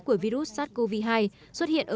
của virus sars cov hai xuất hiện